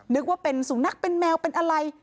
นึกว่าเป็นสุนัขเป็นแมวเป็นอะไร